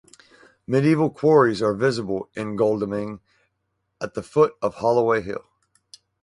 Medieval quarries are visible in Godalming, at the foot of Holloway Hill.